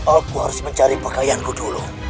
aku harus mencari pakaianku dulu